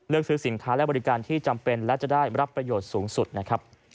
ซื้อสินค้าและบริการที่จำเป็นและจะได้รับประโยชน์สูงสุดนะครับ